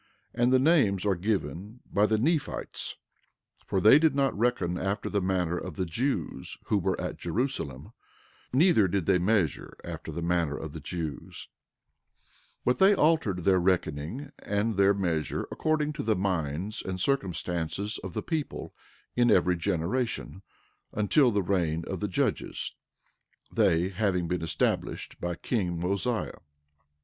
And the names are given by the Nephites, for they did not reckon after the manner of the Jews who were at Jerusalem; neither did they measure after the manner of the Jews; but they altered their reckoning and their measure, according to the minds and the circumstances of the people, in every generation, until the reign of the judges, they having been established by king Mosiah.